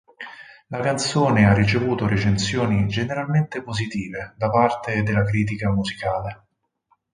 La canzone ha ricevuto recensioni generalmente positive da parte della critica musicale.